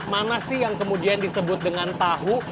mana sih yang kemudian disebut dengan tahu